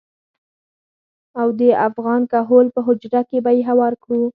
او د افغان کهول په حجره کې به يې هوار کړو.